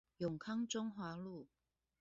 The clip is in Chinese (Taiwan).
永康中華路